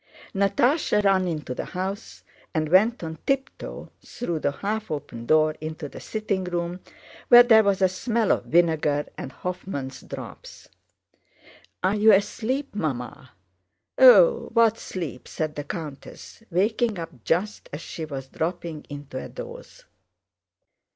Natásha ran into the house and went on tiptoe through the half open door into the sitting room, where there was a smell of vinegar and Hoffman's drops. "Are you asleep, Mamma?" "Oh, what sleep—?" said the countess, waking up just as she was dropping into a doze.